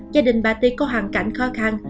gia đình bà tý có hoàn cảnh khó khăn